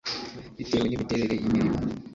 bitewe n imiterere y imirimo